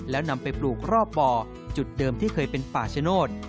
แล้วนำไปปลูกรอบบ่อจุดเดิมที่เคยเป็นป่าชโนธ